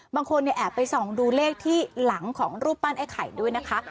บางคนแอบไปส่องดูเลขที่หลังของรูปปั้นไอ้ไข่ด้วยนะคะ